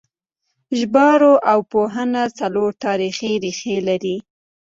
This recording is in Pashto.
ژبارواپوهنه څلور تاریخي ریښې لري